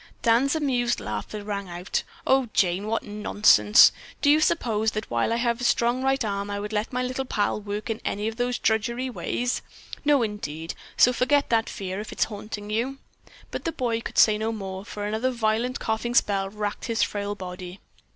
Dan's amused laughter rang out. "Oh, Jane, what nonsense. Do you suppose that while I have a strong right arm I would let my little pal work in any of those drudgery ways? No, indeed, so forget that fear, if it's haunting you." But the boy could say no more, for another violent coughing spell racked his frail body.